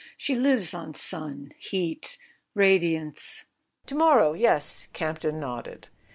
She lives on sun, heat, radiance. .." "To morrow—yes," Campton nodded.